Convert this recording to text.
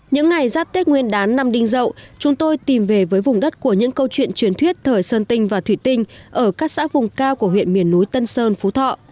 những ngày giáp tết nguyên đán năm đinh dậu chúng tôi tìm về với vùng đất của những câu chuyện truyền thuyết thời sơn tinh và thủy tinh ở các xã vùng cao của huyện miền núi tân sơn phú thọ